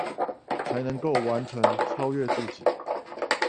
才能夠完成、超越自己